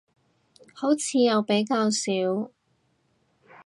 好似又比較少